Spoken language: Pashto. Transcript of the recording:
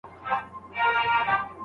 که دوی راضي نه وي نکاح مه تړئ.